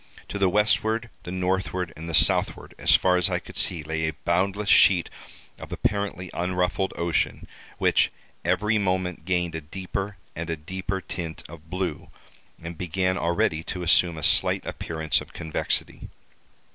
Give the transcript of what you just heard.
To the westward, the northward, and the southward, as far as I could see, lay a boundless sheet of apparently unruffled ocean, which every moment gained a deeper and a deeper tint of blue and began already to assume a slight appearance of convexity.